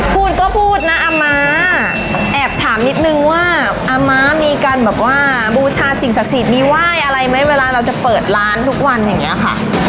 พูดก็พูดนะอาม้าแอบถามนิดนึงว่าอาม้ามีการแบบว่าบูชาสิ่งศักดิ์สิทธิ์มีไหว้อะไรไหมเวลาเราจะเปิดร้านทุกวันอย่างนี้ค่ะ